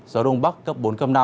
gió đông bắc cấp bốn năm